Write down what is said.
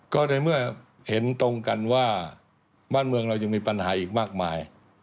ก็ในเมื่อเห็นตรงกันว่าบ้านเมืองเรายังมีปัญหาอีกมากมาย